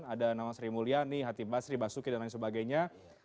ada nama sri mulyani hati basri basuki dan lain sebagainya